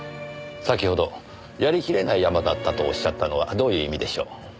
先ほどやりきれないヤマだったとおっしゃったのはどういう意味でしょう？